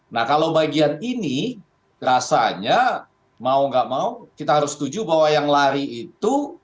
nah kalau bagian ini rasanya mau gak mau kita harus setuju bahwa yang lari itu